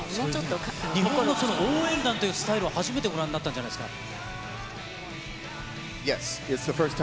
日本のその応援団というスタイルは初めてご覧になったんじゃないですか。